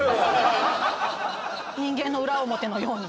人間の裏表のように？